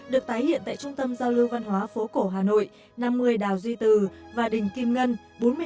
được tái hiện tại trung tâm giao lưu văn hóa phố cổ hà nội năm mươi đảo duy từ và đỉnh kim ngân bốn mươi hai bốn mươi bốn thàng bạc